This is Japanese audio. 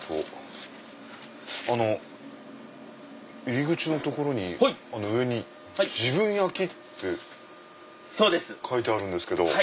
入り口の所の上に自分焼きって書いてあるんですけど。